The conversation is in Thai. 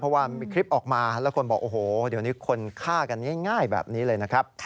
เพราะว่ามีคลิปออกมาแล้วคนบอกโอ้โหเดี๋ยวนี้คนฆ่ากันง่ายแบบนี้เลยนะครับ